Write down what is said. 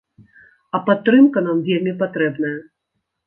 А падтрымка нам вельмі патрэбная!